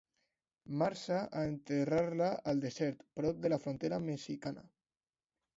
Marxa a enterrar-la al desert, prop de la frontera mexicana.